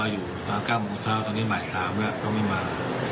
อยู่ตรงนี้ไม่มา